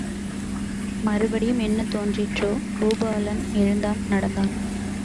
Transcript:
மறுபடியும் என்ன தோன்றிற்றோ, பூபாலன் எழுந்தான் நடந்தான்.